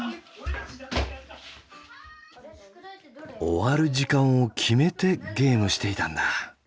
終わる時間を決めてゲームしていたんだ。